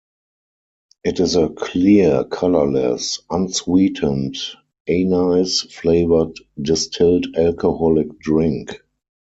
It is a clear, colorless, unsweetened anise-flavored distilled alcoholic drink.